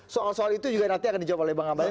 soal soal itu nanti akan dijawab oleh bang abadi